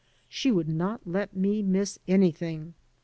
She would not let me miss anything.